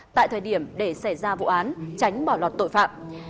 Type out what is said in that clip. tại thời điểm để xảy ra vụ án tránh bỏ lọt tội phạm